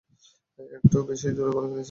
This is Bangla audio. একটু বেশিই জোরে বলে ফেলেছি?